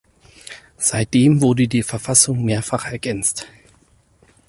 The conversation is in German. Seitdem wurde die Verfassung mehrfach ergänzt.